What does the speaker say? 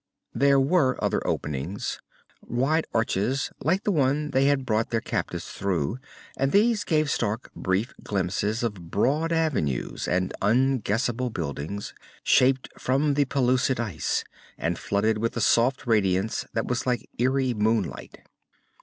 There were other openings, wide arches like the one they had brought their captives through, and these gave Stark brief glimpses of broad avenues and unguessable buildings, shaped from the pellucid ice and flooded with the soft radiance that was like eerie moonlight.